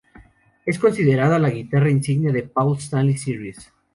Es considerada la guitarra insignia de Paul Stanley Series.